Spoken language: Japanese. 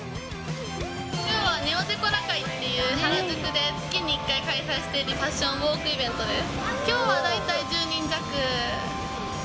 きょうはＮＥＯデコラ会っていう原宿で月に１回、開催しているファッションウォークイベントです。